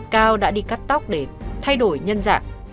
cao đã đi cắt tóc để thay đổi nhân dạng